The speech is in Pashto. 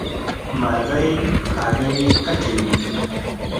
مرغۍ هګۍ اچوي.